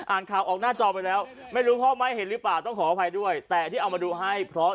อ่านข่าวออกหน้าจอไปแล้วไม่รู้พ่อมั้ยเห็นหรือเปล่า